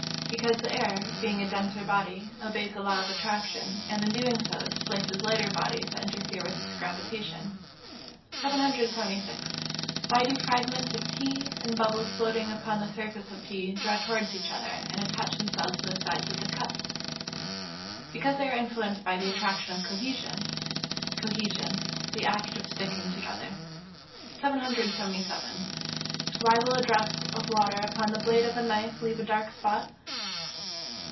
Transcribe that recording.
_ Because the air, being a denser body, obeys the law of attraction, and in doing so displaces lighter bodies that interfere with its gravitation. 776. _Why do fragments of tea, and bubbles floating upon the surface of tea, draw towards each other, and attach themselves to the sides of the cup?_ Because they are influenced by the attraction of cohesion. Cohesion. The act of sticking together. 777. _Why will a drop of water upon the blade of a knife leave a dark spot?